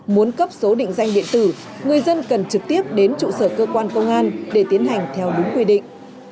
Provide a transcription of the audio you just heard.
muốn cấp số định danh điện tử người dân cần trực tiếp đến trụ sở cơ quan công an để tiến hành theo đúng quy định